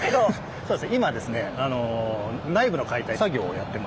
そうです。